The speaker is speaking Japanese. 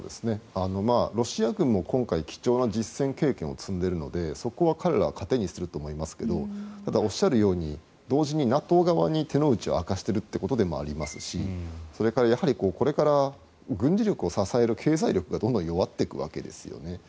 ロシア軍も今回、貴重な実戦経験を積んでいるのでそこは彼らは糧にすると思いますがただ、おっしゃるように同時にＮＡＴＯ側に手の内を明かしているということでもありますしやはり、これから軍事力を支える経済力がどんどん弱っていくわけですよね。